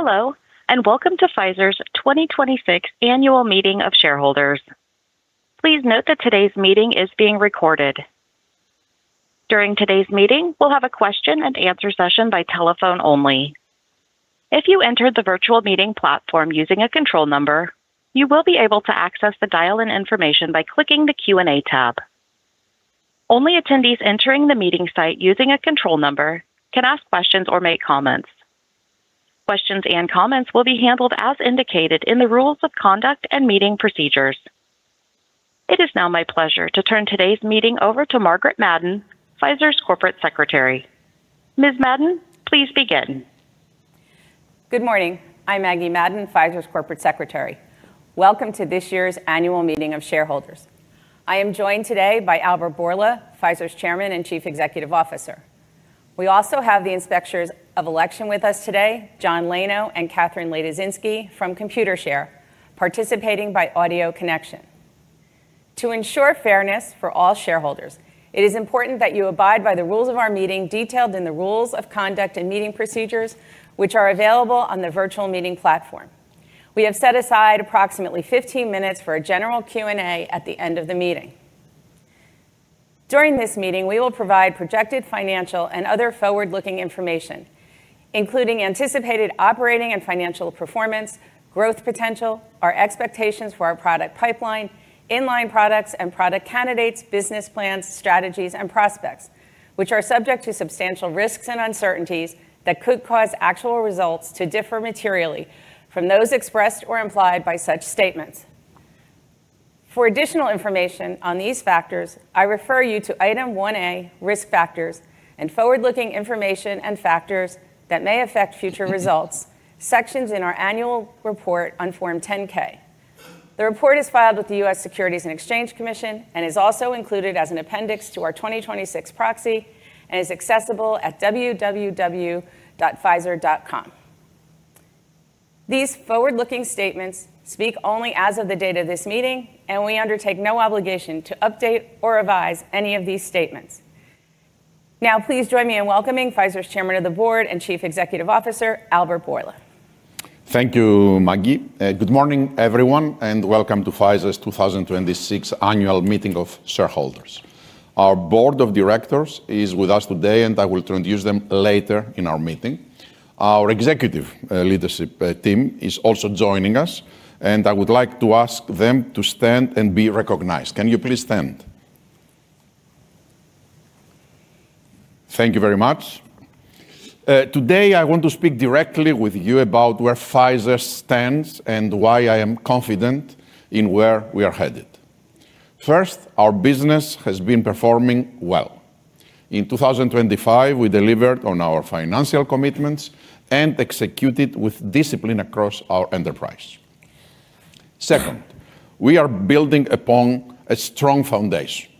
Hello, and welcome to Pfizer's 2026 annual meeting of shareholders. Please note that today's meeting is being recorded. During today's meeting, we'll have a question and answer session by telephone only. If you entered the virtual meeting platform using a control number, you will be able to access the dial-in information by clicking the Q&A tab. Only attendees entering the meeting site using a control number can ask questions or make comments. Questions And comments will be handled as indicated in the rules of conduct and meeting procedures. It is now my pleasure to turn today's meeting over to Margaret Madden, Pfizer's Corporate Secretary. Ms. Madden, please begin. Good morning. I'm Maggie Madden, Pfizer's Corporate Secretary. Welcome to this year's Annual Meeting of Shareholders. I am joined today by Albert Bourla, Pfizer's Chairman and Chief Executive Officer. We also have the Inspectors of Election with us today, John Lano and Catherine Ladzinski from Computershare, participating by audio connection. To ensure fairness for all shareholders, it is important that you abide by the rules of our meeting detailed in the rules of conduct and meeting procedures, which are available on the virtual meeting platform. We have set aside approximately 15 minutes for a general Q&A at the end of the meeting. During this meeting, we will provide projected financial and other forward-looking information, including anticipated operating and financial performance, growth potential, our expectations for our product pipeline, in-line products and product candidates, business plans, strategies, and prospects, which are subject to substantial risks and uncertainties that could cause actual results to differ materially from those expressed or implied by such statements. For additional information on these factors, I refer you to Item 1A, Risk Factors and Forward-Looking Information and Factors That May Affect Future Results, sections in our annual report on Form 10-K. The report is filed with the U.S. Securities and Exchange Commission and is also included as an appendix to our 2026 proxy and is accessible at www.pfizer.com. These forward-looking statements speak only as of the date of this meeting, and we undertake no obligation to update or revise any of these statements. Now, please join me in welcoming Pfizer's Chairman of the Board and Chief Executive Officer, Albert Bourla. Thank you, Maggie. Good morning, everyone, and welcome to Pfizer's 2026 annual meeting of shareholders. Our Board of Directors is with us today, and I will introduce them later in our meeting. Our executive leadership team is also joining us, and I would like to ask them to stand and be recognized. Can you please stand? Thank you very much. Today, I want to speak directly with you about where Pfizer stands and why I am confident in where we are headed. First, our business has been performing well. In 2025, we delivered on our financial commitments and executed with discipline across our enterprise. Second, we are building upon a strong foundation.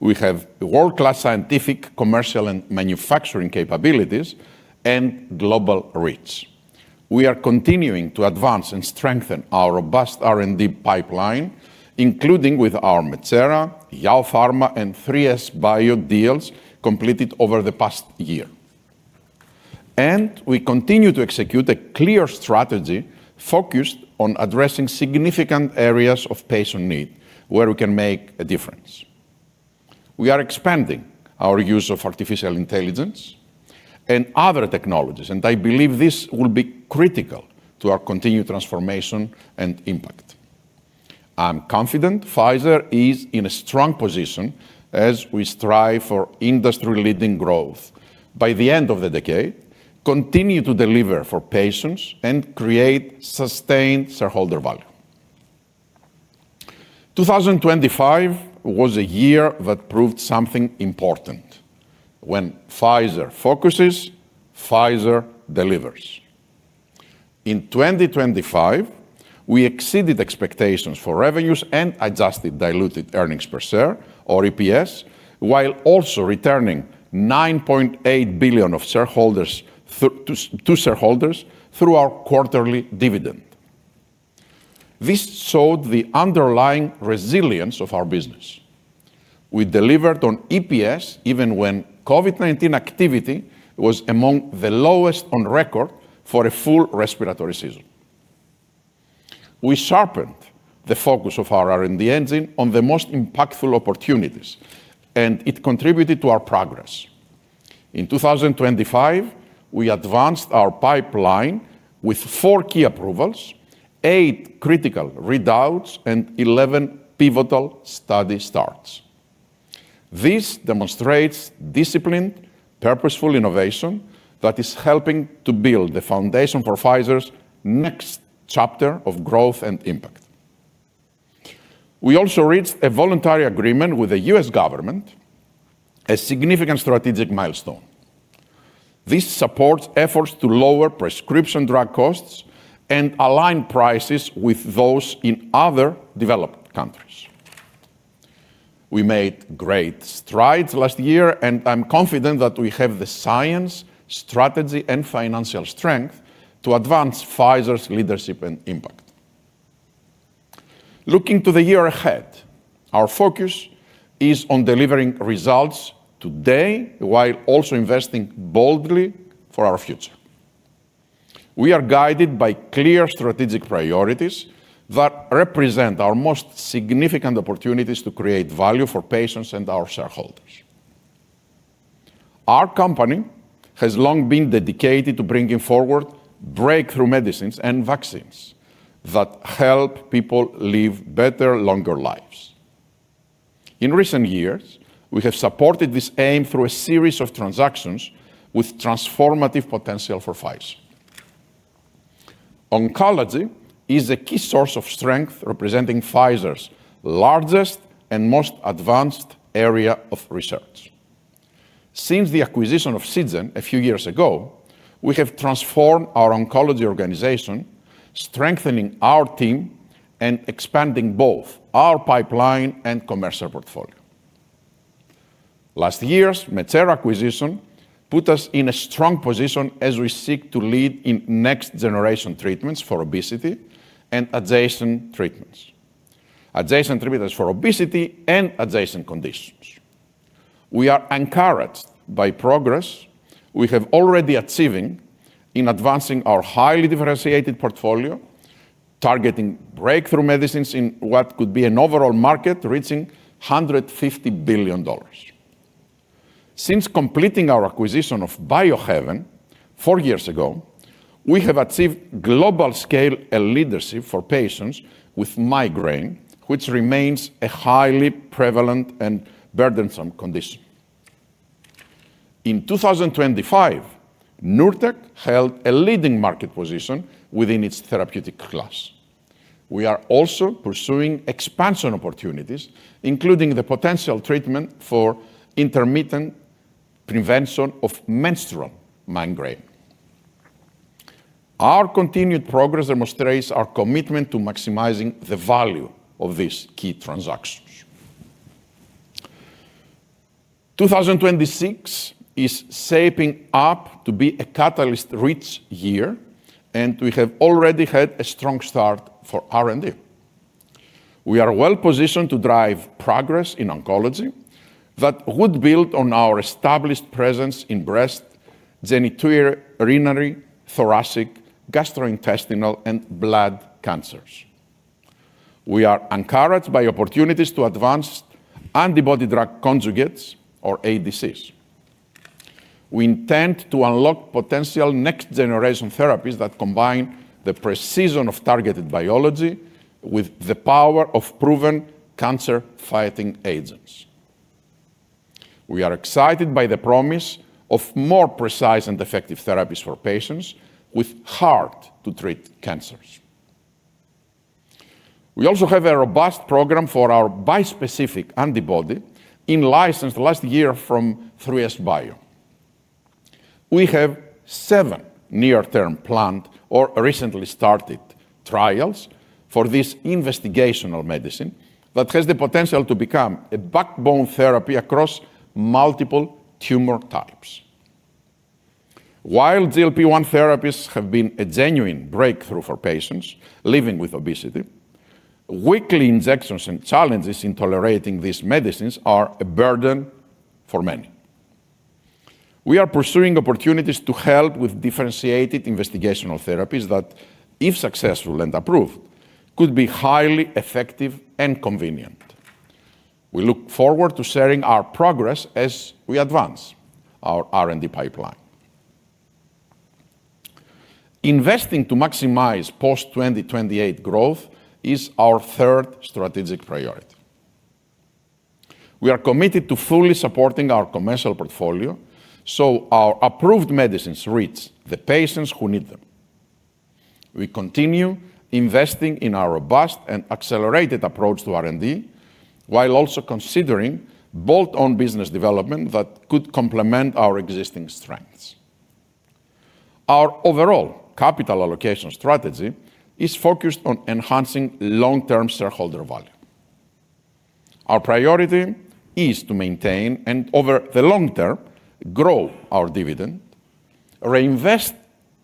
We have world-class scientific, commercial, and manufacturing capabilities and global reach. We are continuing to advance and strengthen our robust R&D pipeline, including with our Metsera, YaoPharma, and 3SBio deals completed over the past year. We continue to execute a clear strategy focused on addressing significant areas of patient need where we can make a difference. We are expanding our use of artificial intelligence and other technologies, and I believe this will be critical to our continued transformation and impact. I'm confident Pfizer is in a strong position as we strive for industry-leading growth by the end of the decade, continue to deliver for patients, and create sustained shareholder value. 2025 was a year that proved something important. When Pfizer focuses, Pfizer delivers. In 2025, we exceeded expectations for revenues and adjusted diluted earnings per share, or EPS, while also returning $9.8 billion to shareholders through our quarterly dividend. This showed the underlying resilience of our business. We delivered on EPS even when COVID-19 activity was among the lowest on record for a full respiratory season. We sharpened the focus of our R&D engine on the most impactful opportunities, and it contributed to our progress. In 2025, we advanced our pipeline with four key approvals, eight critical readouts, and 11 pivotal study starts. This demonstrates disciplined, purposeful innovation that is helping to build the foundation for Pfizer's next chapter of growth and impact. We also reached a voluntary agreement with the U.S. government, a significant strategic milestone. This supports efforts to lower prescription drug costs and align prices with those in other developed countries. We made great strides last year, and I'm confident that we have the science, strategy, and financial strength to advance Pfizer's leadership and impact. Looking to the year ahead, our focus is on delivering results today while also investing boldly for our future. We are guided by clear strategic priorities that represent our most significant opportunities to create value for patients and our shareholders. Our company has long been dedicated to bringing forward breakthrough medicines and vaccines that help people live better, longer lives. In recent years, we have supported this aim through a series of transactions with transformative potential for Pfizer. Oncology is a key source of strength, representing Pfizer's largest and most advanced area of research. Since the acquisition of Seagen a few years ago, we have transformed our oncology organization, strengthening our team and expanding both our pipeline and commercial portfolio. Last year's Metsera acquisition put us in a strong position as we seek to lead in next-generation treatments for obesity and adjacent conditions. We are encouraged by progress we have already achieving in advancing our highly differentiated portfolio, targeting breakthrough medicines in what could be an overall market reaching $150 billion. Since completing our acquisition of Biohaven four years ago, we have achieved global scale and leadership for patients with migraine, which remains a highly prevalent and burdensome condition. In 2025, Nurtec held a leading market position within its therapeutic class. We are also pursuing expansion opportunities, including the potential treatment for intermittent prevention of menstrual migraine. Our continued progress demonstrates our commitment to maximizing the value of these key transactions. 2026 is shaping up to be a catalyst-rich year, and we have already had a strong start for R&D. We are well-positioned to drive progress in oncology that would build on our established presence in breast, genitourinary, thoracic, gastrointestinal, and blood cancers. We are encouraged by opportunities to advance antibody-drug conjugates or ADCs. We intend to unlock potential next-generation therapies that combine the precision of targeted biology with the power of proven cancer-fighting agents. We are excited by the promise of more precise and effective therapies for patients with hard-to-treat cancers. We also have a robust program for our bispecific antibody in license last year from 3SBio. We have seven near-term planned or recently started trials for this investigational medicine that has the potential to become a backbone therapy across multiple tumor types. While GLP-1 therapies have been a genuine breakthrough for patients living with obesity, weekly injections and challenges in tolerating these medicines are a burden for many. We are pursuing opportunities to help with differentiated investigational therapies that, if successful and approved, could be highly effective and convenient. We look forward to sharing our progress as we advance our R&D pipeline. Investing to maximize post-2028 growth is our third strategic priority. We are committed to fully supporting our commercial portfolio so our approved medicines reach the patients who need them. We continue investing in our robust and accelerated approach to R&D, while also considering bolt-on business development that could complement our existing strengths. Our overall capital allocation strategy is focused on enhancing long-term shareholder value. Our priority is to maintain and over the long term grow our dividend, reinvest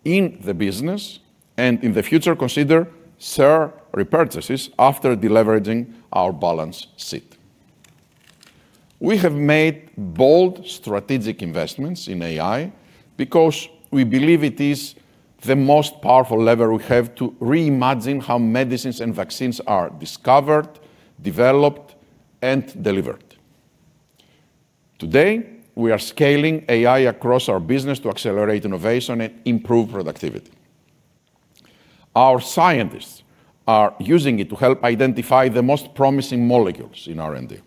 in the business, and in the future, consider share repurchases after deleveraging our balance sheet. We have made bold strategic investments in AI because we believe it is the most powerful lever we have to reimagine how medicines and vaccines are discovered, developed, and delivered. Today, we are scaling AI across our business to accelerate innovation and improve productivity. Our scientists are using it to help identify the most promising molecules in R&D.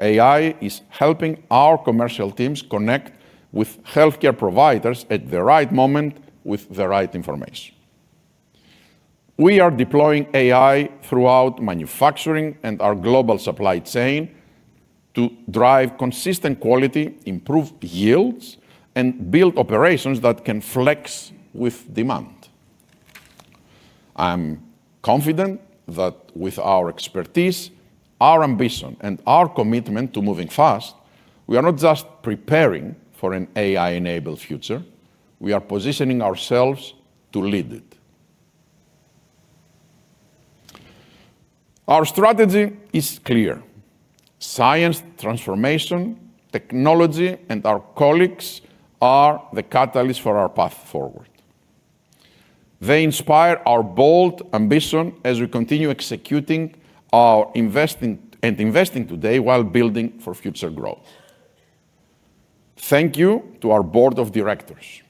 AI is helping our commercial teams connect with healthcare providers at the right moment with the right information. We are deploying AI throughout manufacturing and our global supply chain to drive consistent quality, improve yields, and build operations that can flex with demand. I'm confident that with our expertise, our ambition, and our commitment to moving fast, we are not just preparing for an AI-enabled future. We are positioning ourselves to lead it. Our strategy is clear. Science, transformation, technology, and our colleagues are the catalyst for our path forward. They inspire our bold ambition as we continue executing and investing today while building for future growth. Thank you to our Board of Directors.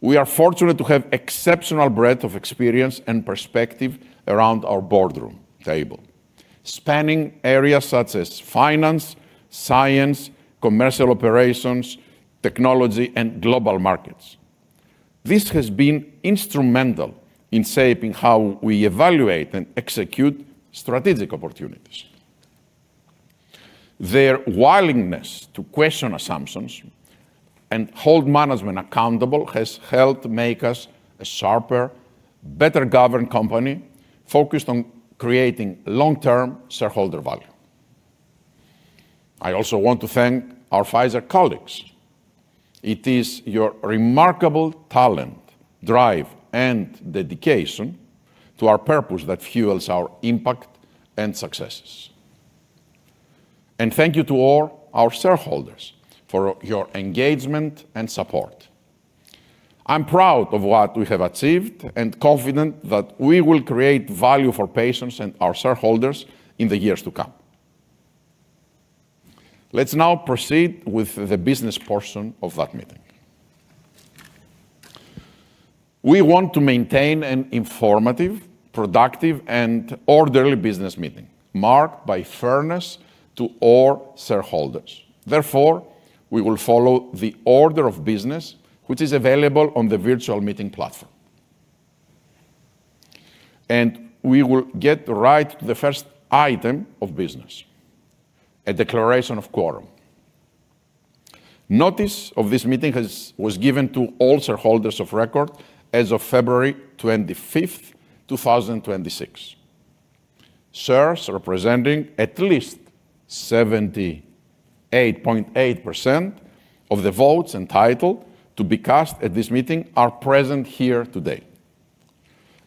We are fortunate to have exceptional breadth of experience and perspective around our boardroom table, spanning areas such as finance, science, commercial operations, technology, and global markets. This has been instrumental in shaping how we evaluate and execute strategic opportunities. Their willingness to question assumptions and hold management accountable has helped make us a sharper, better-governed company focused on creating long-term shareholder value. I also want to thank our Pfizer colleagues. It is your remarkable talent, drive, and dedication to our purpose that fuels our impact and successes. Thank you to all our shareholders for your engagement and support. I'm proud of what we have achieved and confident that we will create value for patients and our shareholders in the years to come. Let's now proceed with the business portion of that meeting. We want to maintain an informative, productive, and orderly business meeting marked by fairness to all shareholders. Therefore, we will follow the order of business, which is available on the virtual meeting platform. We will get right to the first item of business, a declaration of quorum. Notice of this meeting was given to all shareholders of record as of February 25th, 2026. Shares representing at least 78.8% of the votes entitled to be cast at this meeting are present here today.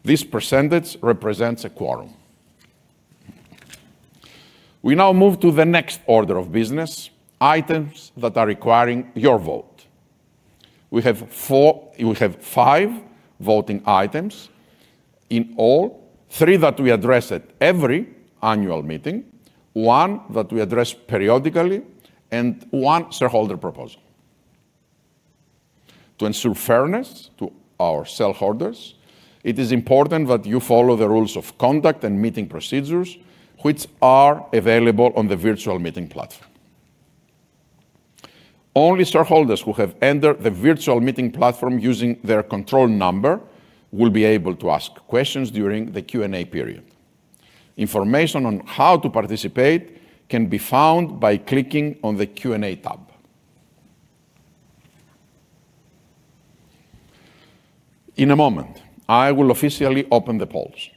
This percentage represents a quorum. We now move to the next order of business, items that are requiring your vote. We have five voting items in all, three that we address at every annual meeting, one that we address periodically, and one shareholder proposal. To ensure fairness to our shareholders, it is important that you follow the rules of conduct and meeting procedures, which are available on the virtual meeting platform. Only shareholders who have entered the virtual meeting platform using their control number will be able to ask questions during the Q&A period. Information on how to participate can be found by clicking on the Q&A tab. In a moment, I will officially open the polls.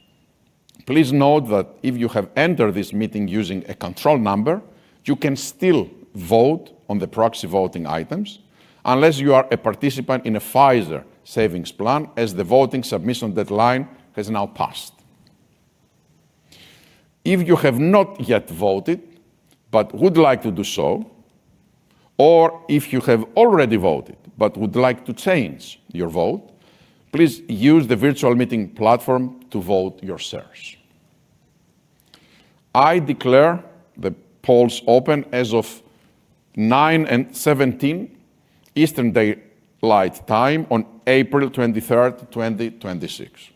Please note that if you have entered this meeting using a control number, you can still vote on the proxy voting items unless you are a participant in a Pfizer savings plan, as the voting submission deadline has now passed. If you have not yet voted but would like to do so, or if you have already voted but would like to change your vote, please use the virtual meeting platform to vote your shares. I declare the polls open as of 9:17 A.M. Eastern Daylight Time on April 23rd, 2026.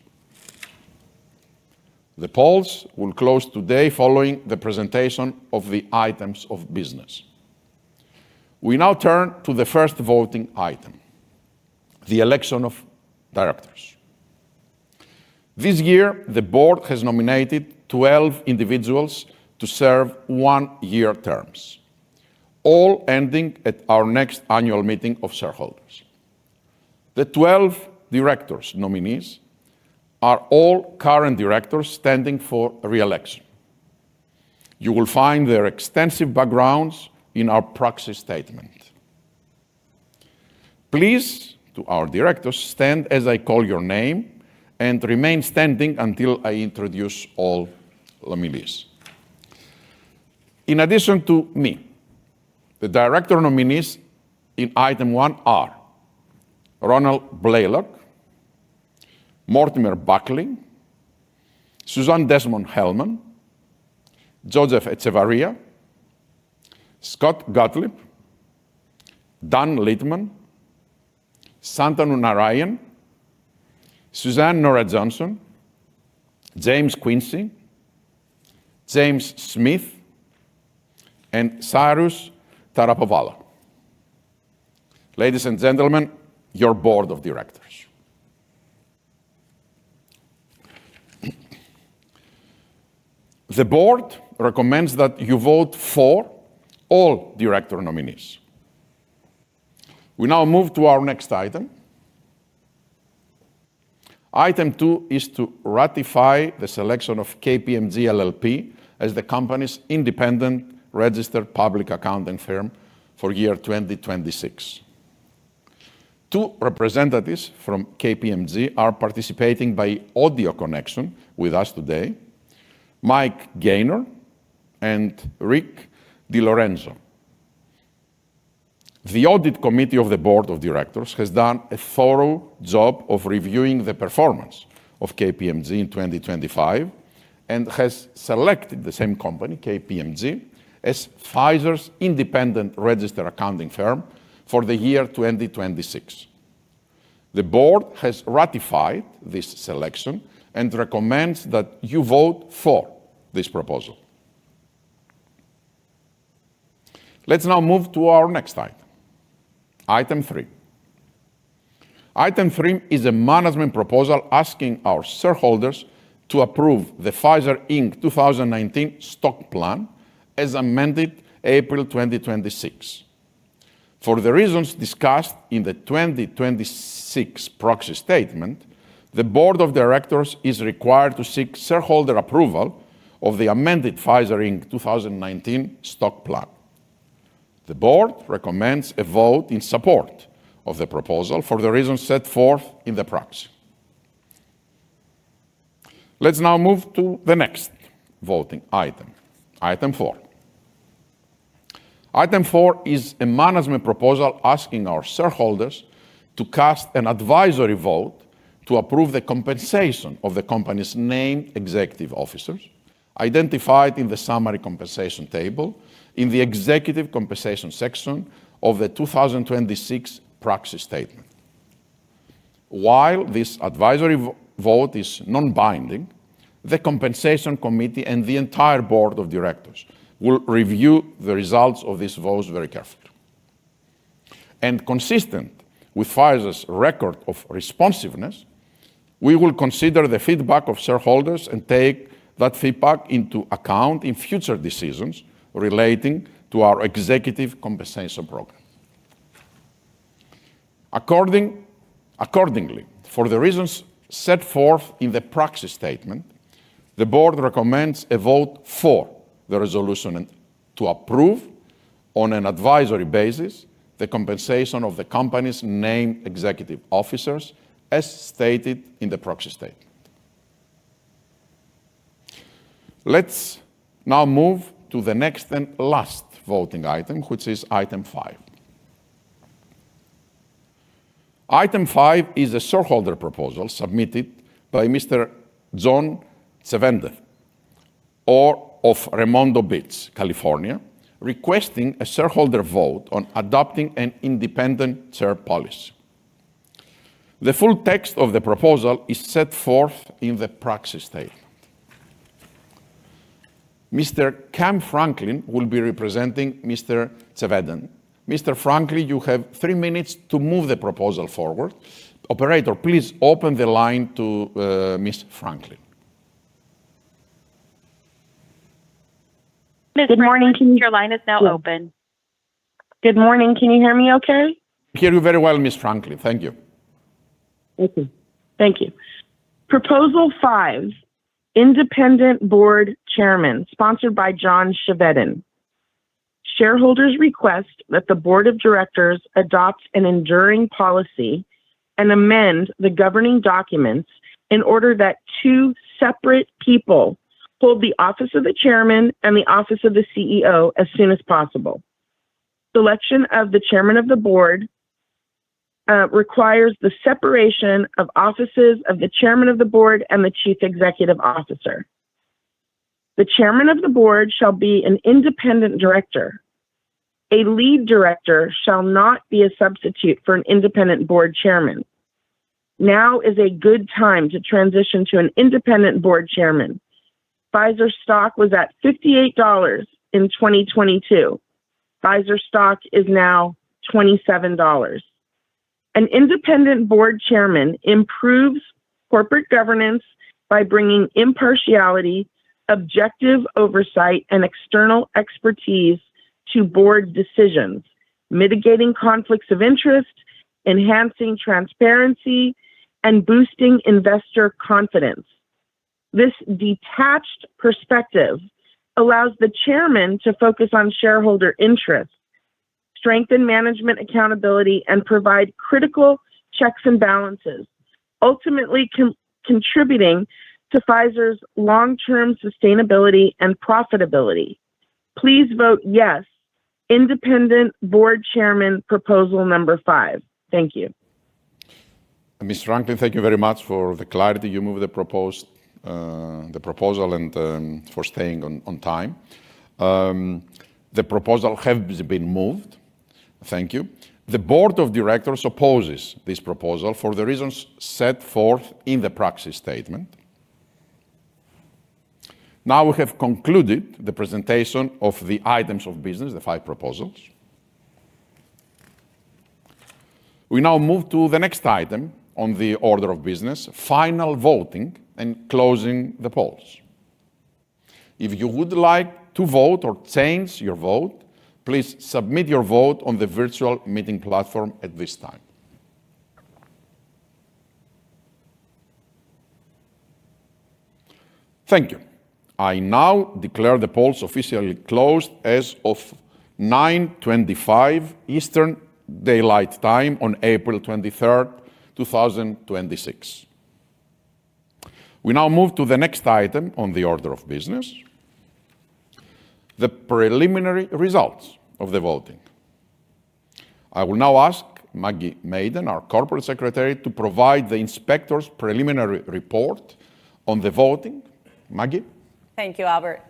The polls will close today following the presentation of the items of business. We now turn to the first voting item, the election of directors. This year, the board has nominated 12 individuals to serve one-year terms, all ending at our next annual meeting of shareholders. The 12 directors nominees are all current directors standing for re-election. You will find their extensive backgrounds in our proxy statement. Please, to our directors, stand as I call your name and remain standing until I introduce all nominees. In addition to me, the director nominees in item one are Ronald Blaylock, Mortimer Buckley, Susan Desmond-Hellmann, Joseph Echevarria, Scott Gottlieb, Dan Littman, Shantanu Narayen, Suzanne Nora Johnson, James Quincey, James Smith, and Cyrus Taraporevala. Ladies and gentlemen, your board of directors. The board recommends that you vote for all director nominees. We now move to our next item. Item two is to ratify the selection of KPMG LLP as the company's independent registered public accounting firm for year 2026. Two representatives from KPMG are participating by audio connection with us today, Mike Gaynor and Rick DiLorenzo. The audit committee of the board of directors has done a thorough job of reviewing the performance of KPMG in 2025 and has selected the same company, KPMG, as Pfizer's independent registered accounting firm for the year 2026. The board has ratified this selection and recommends that you vote for this proposal. Let's now move to our next item three. Item three is a management proposal asking our shareholders to approve the Pfizer Inc 2019 Stock Plan as amended April 2026. For the reasons discussed in the 2026 proxy statement, the board of directors is required to seek shareholder approval of the amended Pfizer Inc 2019 Stock Plan. The board recommends a vote in support of the proposal for the reasons set forth in the proxy. Let's now move to the next voting item four. Item four is a management proposal asking our shareholders to cast an advisory vote to approve the compensation of the company's named executive officers identified in the summary compensation table in the executive compensation section of the 2026 proxy statement. While this advisory vote is non-binding, the compensation committee and the entire board of directors will review the results of these votes very carefully. Consistent with Pfizer's record of responsiveness, we will consider the feedback of shareholders and take that feedback into account in future decisions relating to our executive compensation program. Accordingly, for the reasons set forth in the proxy statement, the board recommends a vote for the resolution and to approve, on an advisory basis, the compensation of the company's named executive officers as stated in the proxy statement. Let's now move to the next and last voting item, which is item five. Item five is a shareholder proposal submitted by Mr. John Tschannen of Redondo Beach, California, requesting a shareholder vote on adopting an independent chair policy. The full text of the proposal is set forth in the proxy statement. Mr. Cam Franklin will be representing Mr. Tschannen. Mr. Franklin, you have three minutes to move the proposal forward. Operator, please open the line to Mr. Franklin. Good morning Mr. Franklin, your line is now open. Good morning. Can you hear me okay? hear you very well, Ms. Franklin. Thank you. Thank you. Thank you. Proposal five, Independent Board Chairman, sponsored by John Tschannen. Shareholders request that the board of directors adopts an enduring policy and amend the governing documents in order that two separate people hold the office of the Chairman and the office of the CEO as soon as possible. Selection of the Chairman of the Board requires the separation of offices of the Chairman of the Board and the Chief Executive Officer. The Chairman of the Board shall be an Independent Director. A Lead Director shall not be a substitute for an Independent Board Chairman. Now is a good time to transition to an Independent Board Chairman. Pfizer stock was at $58 in 2022. Pfizer stock is now $27. An Independent Board Chairman improves corporate governance by bringing impartiality, objective oversight, and external expertise to board decisions, mitigating conflicts of interest, enhancing transparency, and boosting investor confidence. This detached perspective allows the chairman to focus on shareholder interest, strengthen management accountability, and provide critical checks and balances, ultimately contributing to Pfizer's long-term sustainability and profitability. Please vote yes, independent board chairman, proposal number five. Thank you. Ms. Franklin, thank you very much for the clarity and for moving the proposal and for staying on time. The proposal has been moved. Thank you. The Board of Directors opposes this proposal for the reasons set forth in the proxy statement. Now we have concluded the presentation of the items of business, the five proposals. We now move to the next item on the order of business, final voting and closing the polls. If you would like to vote or change your vote, please submit your vote on the virtual meeting platform at this time. Thank you. I now declare the polls officially closed as of 9:25 A.M. Eastern Daylight Time on April 23rd, 2026. We now move to the next item on the order of business, the preliminary results of the voting. I will now ask Margaret Madden, our Corporate Secretary, to provide the inspector's preliminary report on the voting. Margaret? Thank you, Albert.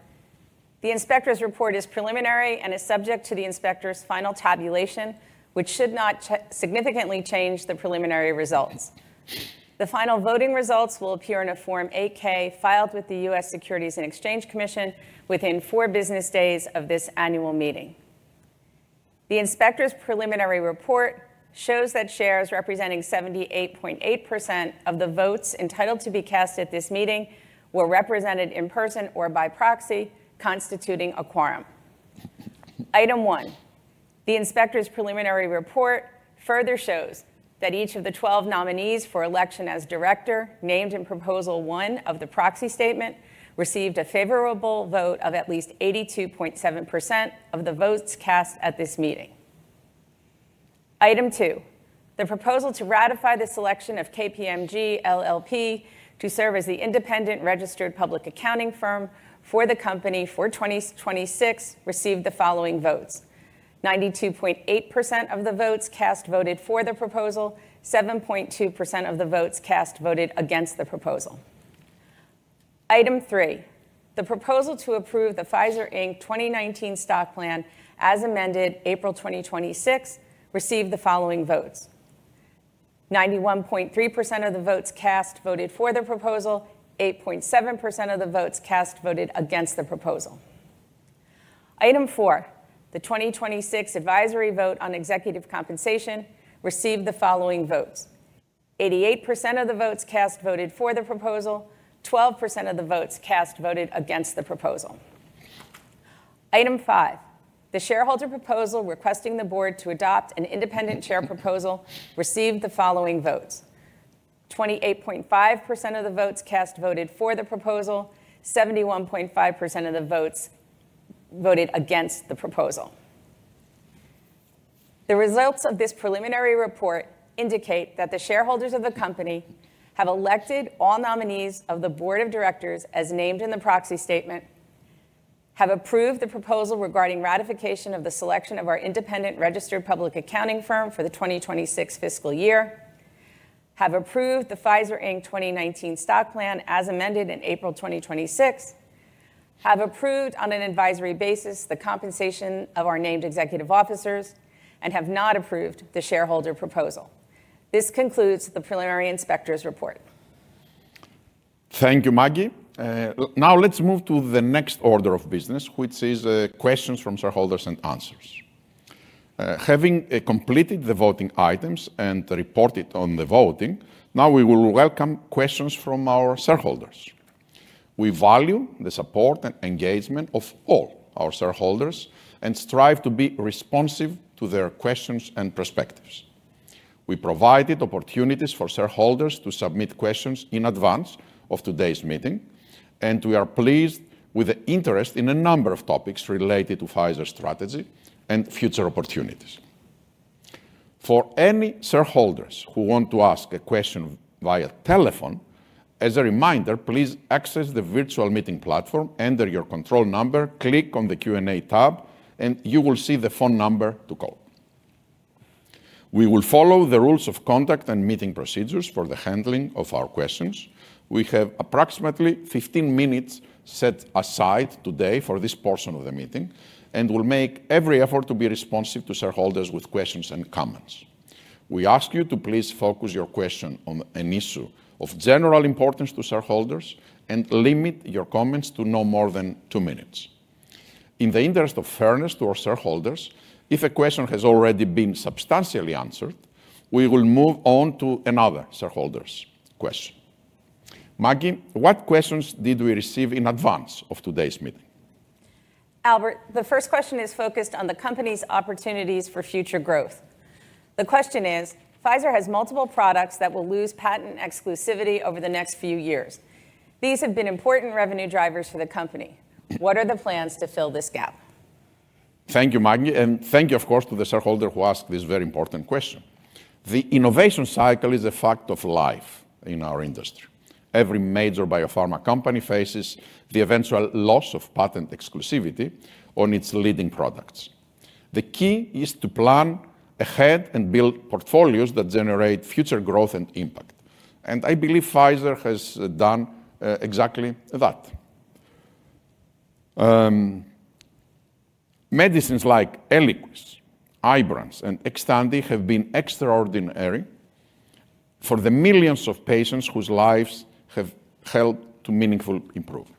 The inspector's report is preliminary and is subject to the inspector's final tabulation, which should not significantly change the preliminary results. The final voting results will appear in a Form 8-K filed with the U.S. Securities and Exchange Commission within four business days of this annual meeting. The inspector's preliminary report shows that shares representing 78.8% of the votes entitled to be cast at this meeting were represented in person or by proxy, constituting a quorum. Item one, the inspector's preliminary report further shows that each of the 12 nominees for election as director, named in Proposal One of the proxy statement, received a favorable vote of at least 82.7% of the votes cast at this meeting. Item two, the proposal to ratify the selection of KPMG LLP to serve as the independent registered public accounting firm for the company for 2026 received the following votes. 92.8% of the votes cast voted for the proposal, 7.2% of the votes cast voted against the proposal. Item three, the proposal to approve the Pfizer Inc 2019 Stock Plan, as amended April 2026, received the following votes. 91.3% of the votes cast voted for the proposal, 8.7% of the votes cast voted against the proposal. Item four, the 2026 advisory vote on executive compensation received the following votes. 88% of the votes cast voted for the proposal, 12% of the votes cast voted against the proposal. Item five, the shareholder proposal requesting the board to adopt an independent chair proposal received the following votes. 28.5% of the votes cast voted for the proposal, 71.5% of the votes voted against the proposal. The results of this preliminary report indicate that the shareholders of the company have elected all nominees of the board of directors as named in the proxy statement, have approved the proposal regarding ratification of the selection of our independent registered public accounting firm for the 2026 fiscal year, have approved the Pfizer Inc 2019 Stock Plan as amended in April 2026, have approved, on an advisory basis, the compensation of our named executive officers, and have not approved the shareholder proposal. This concludes the preliminary inspector's report. Thank you, Margaret. Now let's move to the next order of business, which is questions from shareholders and answers. Having completed the voting items and reported on the voting, now we will welcome questions from our shareholders. We value the support and engagement of all our shareholders and strive to be responsive to their questions and perspectives. We provided opportunities for shareholders to submit questions in advance of today's meeting, and we are pleased with the interest in a number of topics related to Pfizer's strategy and future opportunities. For any shareholders who want to ask a question via telephone, as a reminder, please access the virtual meeting platform, enter your control number, click on the Q&A tab, and you will see the phone number to call. We will follow the rules of conduct and meeting procedures for the handling of our questions. We have approximately 15 minutes set aside today for this portion of the meeting and will make every effort to be responsive to shareholders with questions and comments. We ask you to please focus your question on an issue of general importance to shareholders and limit your comments to no more than two minutes. In the interest of fairness to our shareholders, if a question has already been substantially answered, we will move on to another shareholder's question. Margaret, what questions did we receive in advance of today's meeting? Albert, the first question is focused on the company's opportunities for future growth. The question is, Pfizer has multiple products that will lose patent exclusivity over the next few years. These have been important revenue drivers for the company. What are the plans to fill this gap? Thank you, Maggie, and thank you, of course, to the shareholder who asked this very important question. The innovation cycle is a fact of life in our industry. Every major biopharma company faces the eventual loss of patent exclusivity on its leading products. The key is to plan ahead and build portfolios that generate future growth and impact, and I believe Pfizer has done exactly that. Medicines like ELIQUIS, IBRANCE, and XTANDI have been extraordinary for the millions of patients whose lives have helped to meaningfully improve.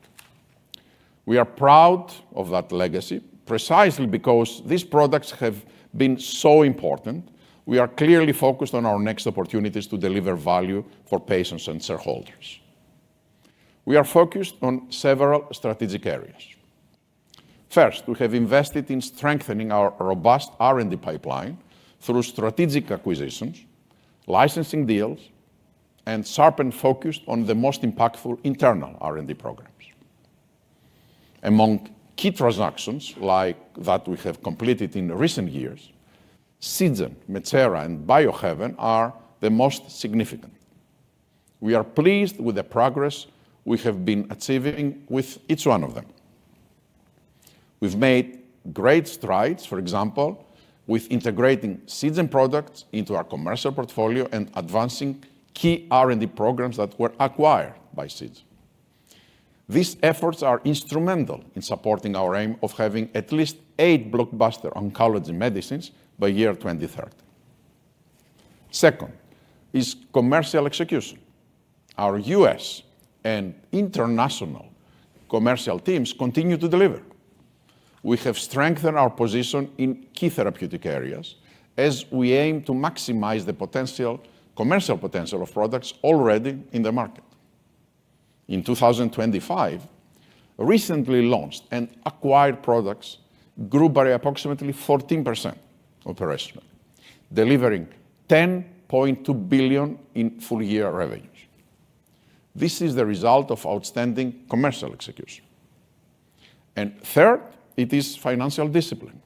We are proud of that legacy. Precisely because these products have been so important, we are clearly focused on our next opportunities to deliver value for patients and shareholders. We are focused on several strategic areas. First, we have invested in strengthening our robust R&D pipeline through strategic acquisitions, licensing deals, and sharply focused on the most impactful internal R&D programs. Among key transactions like that we have completed in recent years, Seagen, Metsera, and Biohaven are the most significant. We are pleased with the progress we have been achieving with each one of them. We've made great strides, for example, with integrating Seagen products into our commercial portfolio and advancing key R&D programs that were acquired by Seagen. These efforts are instrumental in supporting our aim of having at least eight blockbuster oncology medicines by year 2030. Second is commercial execution. Our U.S. and international commercial teams continue to deliver. We have strengthened our position in key therapeutic areas as we aim to maximize the potential, commercial potential of products already in the market. In 2025, recently launched and acquired products grew by approximately 14% operationally, delivering $10.2 billion in full year revenue. This is the result of outstanding commercial execution. Third, it is financial discipline.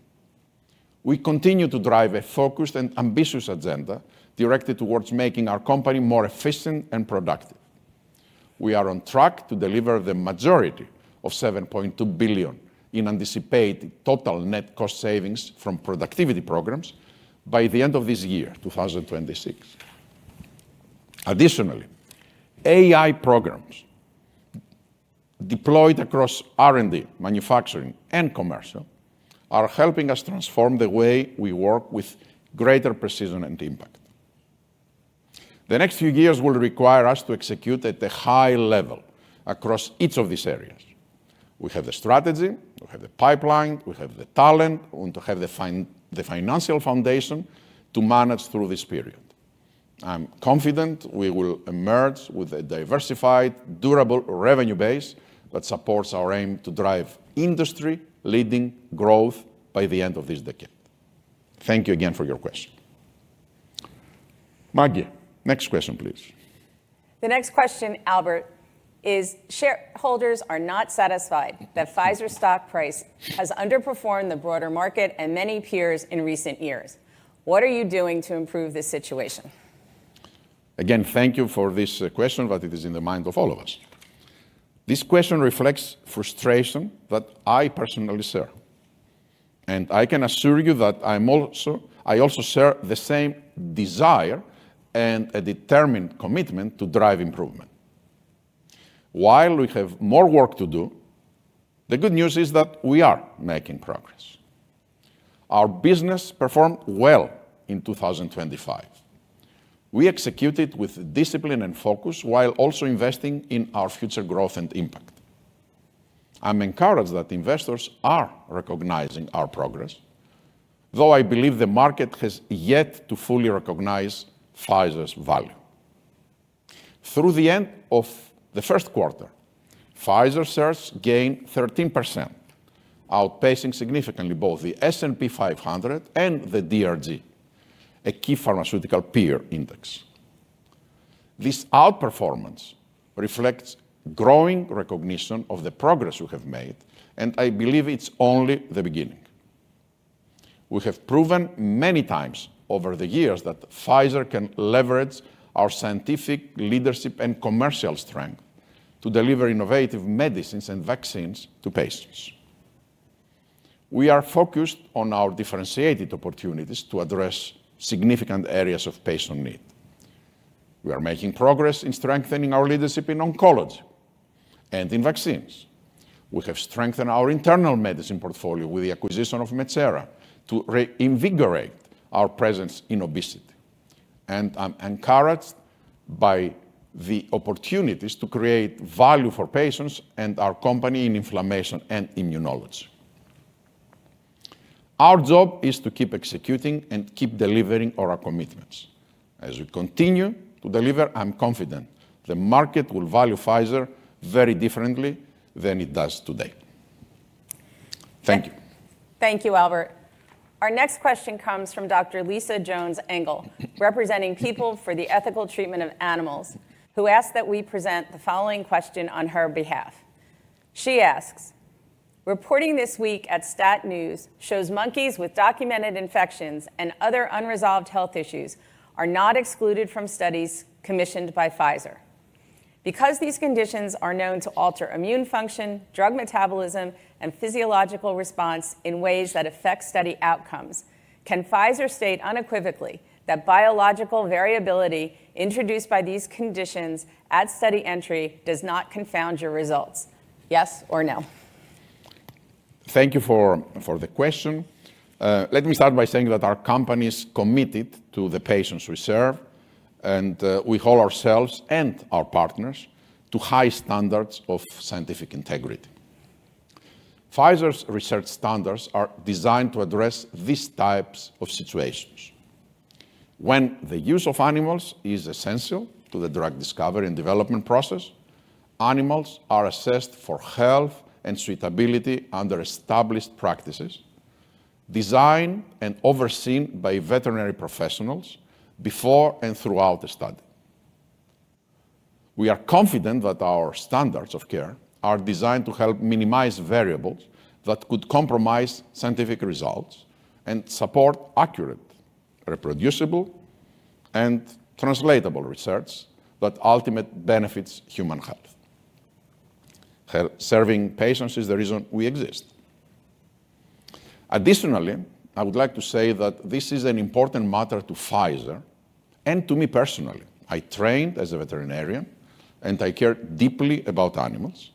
We continue to drive a focused and ambitious agenda directed towards making our company more efficient and productive. We are on track to deliver the majority of $7.2 billion in anticipated total net cost savings from productivity programs by the end of this year, 2026. Additionally, AI programs deployed across R&D, manufacturing, and commercial are helping us transform the way we work with greater precision and impact. The next few years will require us to execute at a high level across each of these areas. We have the strategy, we have the pipeline, we have the talent, and we have the financial foundation to manage through this period. I'm confident we will emerge with a diversified, durable revenue base that supports our aim to drive industry-leading growth by the end of this decade. Thank you again for your question. Margaret, next question, please. The next question, Albert, is shareholders are not satisfied that Pfizer's stock price has underperformed the broader market and many peers in recent years. What are you doing to improve this situation? Again, thank you for this question, but it is in the mind of all of us. This question reflects frustration that I personally share. I can assure you that I also share the same desire and a determined commitment to drive improvement. While we have more work to do, the good news is that we are making progress. Our business performed well in 2025. We executed with discipline and focus while also investing in our future growth and impact. I'm encouraged that investors are recognizing our progress, though I believe the market has yet to fully recognize Pfizer's value. Through the end of the first quarter, Pfizer shares gained 13%, outpacing significantly both the S&P 500 and the DRG, a key pharmaceutical peer index. This outperformance reflects growing recognition of the progress we have made, and I believe it's only the beginning. We have proven many times over the years that Pfizer can leverage our scientific leadership and commercial strength to deliver innovative medicines and vaccines to patients. We are focused on our differentiated opportunities to address significant areas of patient need. We are making progress in strengthening our leadership in oncology and in vaccines. We have strengthened our internal medicine portfolio with the acquisition of Metsera to reinvigorate our presence in obesity. I'm encouraged by the opportunities to create value for patients and our company in inflammation and immunology. Our job is to keep executing and keep delivering on our commitments. As we continue to deliver, I'm confident the market will value Pfizer very differently than it does today. Thank you. Thank you, Albert. Our next question comes from Dr. Lisa Jones-Engel, representing People for the Ethical Treatment of Animals, who asks that we present the following question on her behalf. She asks, "Reporting this week at STAT News shows monkeys with documented infections and other unresolved health issues are not excluded from studies commissioned by Pfizer. Because these conditions are known to alter immune function, drug metabolism, and physiological response in ways that affect study outcomes, can Pfizer state unequivocally that biological variability introduced by these conditions at study entry does not confound your results? Yes or no? Thank you for the question. Let me start by saying that our company is committed to the patients we serve, and we hold ourselves and our partners to high standards of scientific integrity. Pfizer's research standards are designed to address these types of situations. When the use of animals is essential to the drug discovery and development process, animals are assessed for health and suitability under established practices, designed and overseen by veterinary professionals before and throughout the study. We are confident that our standards of care are designed to help minimize variables that could compromise scientific results and support accurate, reproducible, and translatable research that ultimately benefits human health. Serving patients is the reason we exist. Additionally, I would like to say that this is an important matter to Pfizer and to me personally. I trained as a veterinarian, and I care deeply about animals.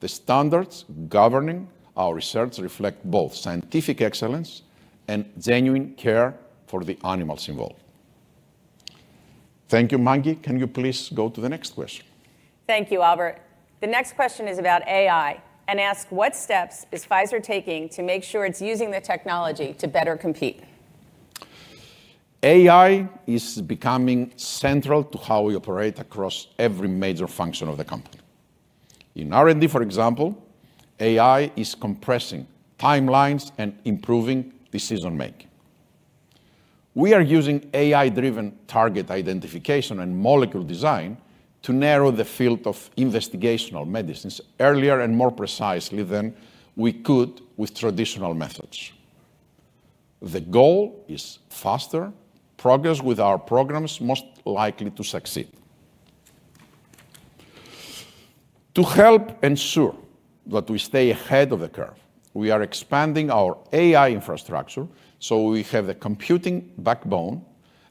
The standards governing our research reflect both scientific excellence and genuine care for the animals involved. Thank you. Margaret, can you please go to the next question? Thank you, Albert. The next question is about AI and asks, "What steps is Pfizer taking to make sure it's using the technology to better compete? AI is becoming central to how we operate across every major function of the company. In R&D, for example, AI is compressing timelines and improving decision-making. We are using AI-driven target identification and molecule design to narrow the field of investigational medicines earlier and more precisely than we could with traditional methods. The goal is faster progress with our programs most likely to succeed. To help ensure that we stay ahead of the curve, we are expanding our AI infrastructure so we have the computing backbone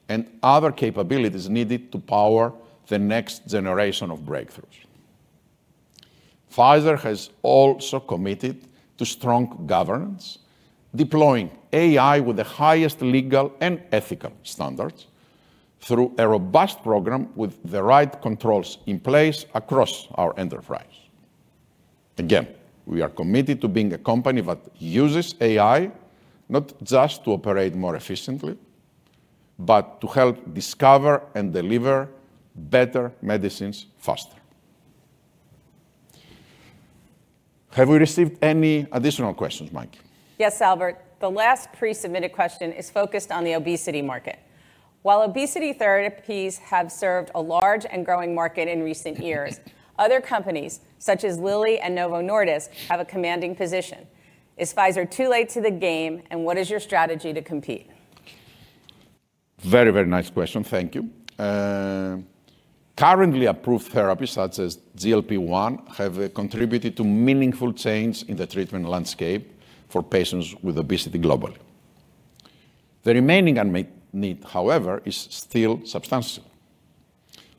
and other capabilities needed to power the next generation of breakthroughs. Pfizer has also committed to strong governance, deploying AI with the highest legal and ethical standards through a robust program with the right controls in place across our enterprise. Again, we are committed to being a company that uses AI not just to operate more efficiently, but to help discover and deliver better medicines faster. Have we received any additional questions, Margaret? Yes, Albert. The last pre-submitted question is focused on the obesity market. "While obesity therapies have served a large and growing market in recent years, other companies, such as Lilly and Novo Nordisk, have a commanding position. Is Pfizer too late to the game, and what is your strategy to compete? Very, very nice question. Thank you. Currently approved therapies such as GLP-1 have contributed to meaningful change in the treatment landscape for patients with obesity globally. The remaining unmet need, however, is still substantial.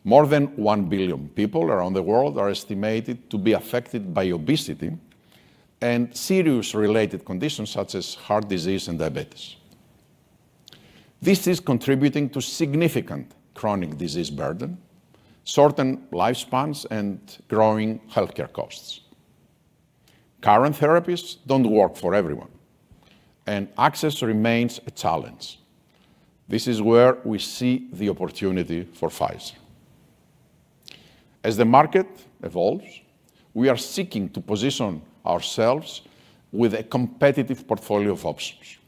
More than one billion people around the world are estimated to be affected by obesity and serious related conditions such as heart disease and diabetes. This is contributing to significant chronic disease burden, shortened lifespans, and growing healthcare costs. Current therapies don't work for everyone, and access remains a challenge. This is where we see the opportunity for Pfizer. As the market evolves, we are seeking to position ourselves with a competitive portfolio of options.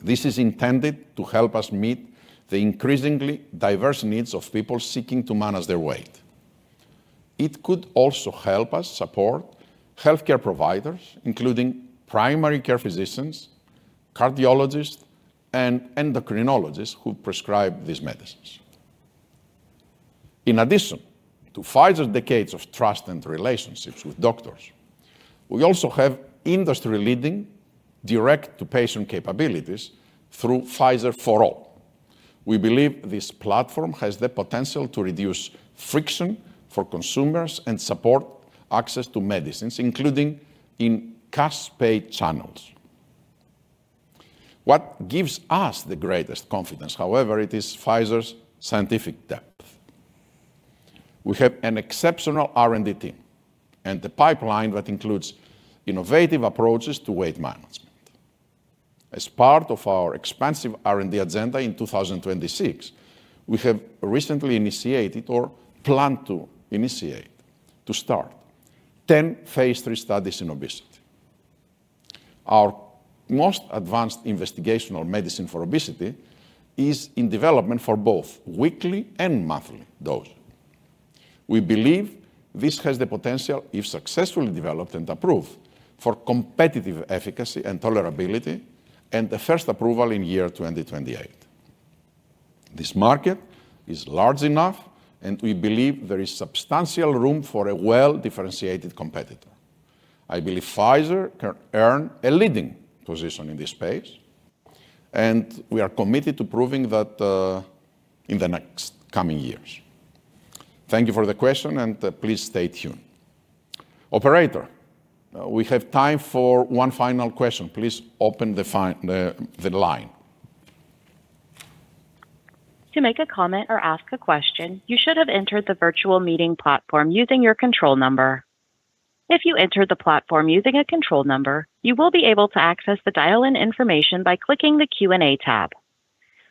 This is intended to help us meet the increasingly diverse needs of people seeking to manage their weight. It could also help us support healthcare providers, including primary care physicians, cardiologists, and endocrinologists who prescribe these medicines. In addition to Pfizer's decades of trust and relationships with doctors, we also have industry-leading direct-to-patient capabilities through Pfizer For All. We believe this platform has the potential to reduce friction for consumers and support access to medicines, including in cash pay channels. What gives us the greatest confidence, however, is Pfizer's scientific depth. We have an exceptional R&D team and a pipeline that includes innovative approaches to weight management. As part of our expansive R&D agenda in 2026, we have recently initiated or plan to initiate 10 phase III studies in obesity. Our most advanced investigational medicine for obesity is in development for both weekly and monthly dosing. We believe this has the potential, if successfully developed and approved, for competitive efficacy and tolerability and the first approval in year 2028. This market is large enough, and we believe there is substantial room for a well-differentiated competitor. I believe Pfizer can earn a leading position in this space, and we are committed to proving that in the next coming years. Thank you for the question, and please stay tuned. Operator, we have time for one final question. Please open the line. To make a comment or ask a question, you should have entered the virtual meeting platform using your control number. If you entered the platform using a control number, you will be able to access the dial-in information by clicking the Q&A tab.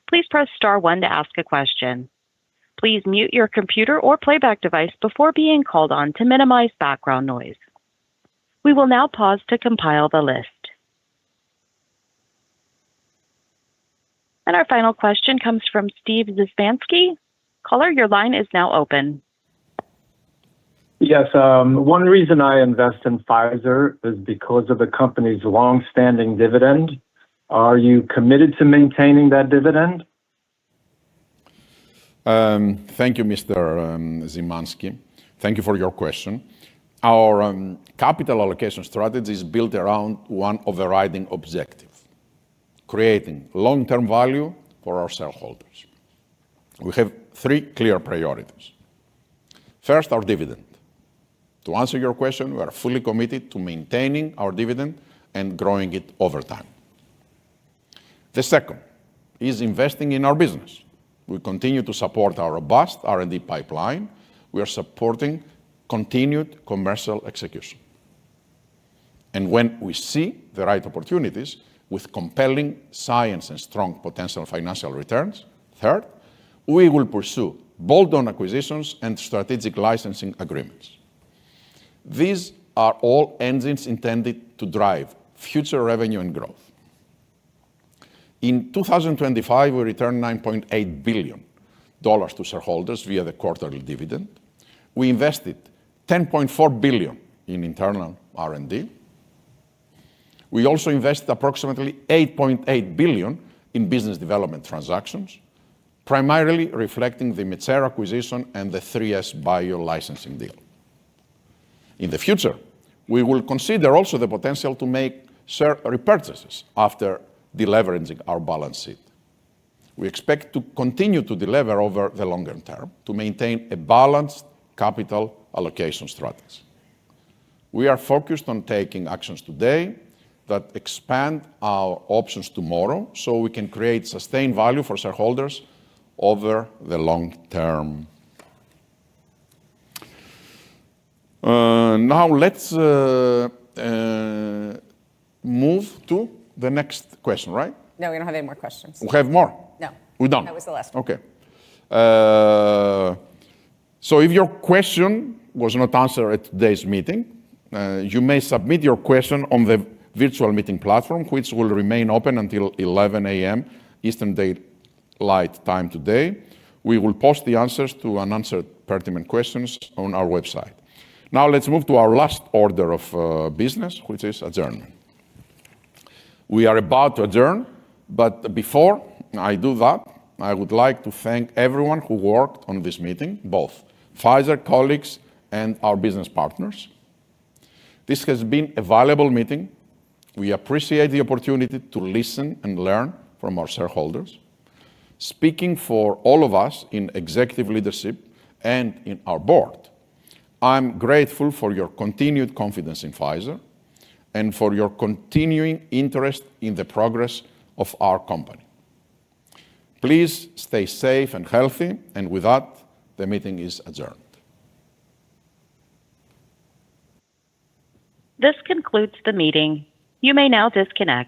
Please press star one to ask a question. Please mute your computer or playback device before being called on to minimize background noise. We will now pause to compile the list. Our final question comes from Steve Szymanski. Caller, your line is now open. Yes. One reason I invest in Pfizer is because of the company's long-standing dividend. Are you committed to maintaining that dividend? Thank you, Mr. Szymanski. Thank you for your question. Our capital allocation strategy is built around one overriding objective, creating long-term value for our shareholders. We have three clear priorities. First, our dividend. To answer your question, we are fully committed to maintaining our dividend and growing it over time. The second is investing in our business. We continue to support our robust R&D pipeline. We are supporting continued commercial execution, and when we see the right opportunities with compelling science and strong potential financial returns, third, we will pursue bold acquisitions and strategic licensing agreements. These are all engines intended to drive future revenue and growth. In 2025, we returned $9.8 billion to shareholders via the quarterly dividend. We invested $10.4 billion in internal R&D. We also invested approximately $8.8 billion in business development transactions, primarily reflecting the Metsera acquisition and the 3SBio licensing deal. In the future, we will consider also the potential to make share repurchases after deleveraging our balance sheet. We expect to continue to delever over the longer term to maintain a balanced capital allocation strategy. We are focused on taking actions today that expand our options tomorrow so we can create sustained value for shareholders over the long term. Now let's move to the next question, right? No, we don't have any more questions. We have more? No. We're done. That was the last one. Okay. If your question was not answered at today's meeting, you may submit your question on the virtual meeting platform, which will remain open until 11:00 A.M. Eastern Daylight Time today. We will post the answers to unanswered pertinent questions on our website. Now let's move to our last order of business, which is adjournment. We are about to adjourn, but before I do that, I would like to thank everyone who worked on this meeting, both Pfizer colleagues and our business partners. This has been a valuable meeting. We appreciate the opportunity to listen and learn from our shareholders. Speaking for all of us in executive leadership and in our board, I'm grateful for your continued confidence in Pfizer and for your continuing interest in the progress of our company. Please stay safe and healthy. With that, the meeting is adjourned. This concludes the meeting. You may now disconnect.